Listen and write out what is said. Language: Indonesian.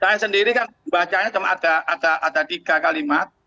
saya sendiri kan membacanya cuma ada tiga kalimat